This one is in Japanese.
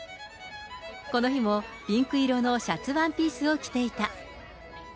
この日もピンク色のシャツワンピースを着ていた。